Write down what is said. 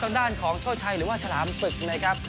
ทางด้านของโชชัยหรือว่าฉลามศึกนะครับ